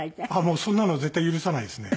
もうそんなのは絶対許さないですね。